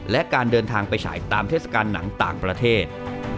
และการเดินทางไปฉายตามเทศกาลหนังต่างประเทศ